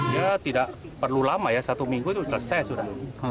ya tidak perlu lama ya satu minggu itu selesai sudah